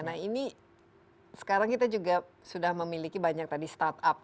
nah ini sekarang kita juga sudah memiliki banyak tadi startup